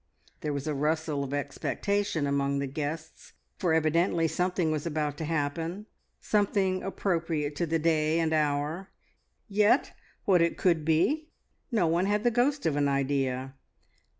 There was a rustle of expectation among the guests, for evidently something was about to happen, something appropriate to the day and the hour, yet what it could be no one had the ghost of an idea.